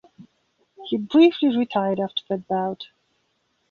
He briefly retired after that bout.